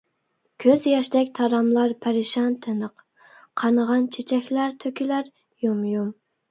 كۆز ياشتەك تاراملار پەرىشان تىنىق، قانىغان چېچەكلەر تۆكۈلەر يۇم-يۇم.